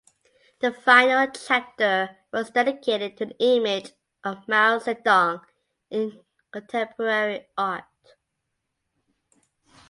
The final chapter was dedicated to the image of Mao Zedong in contemporary art.